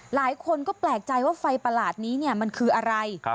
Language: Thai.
หลายคนก็แปลกใจว่าไฟประหลาดนี้มันคืออะไร